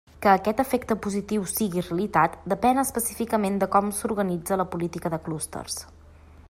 Que aquest efecte positiu siga realitat, depén específicament de com s'organitza la política de clústers.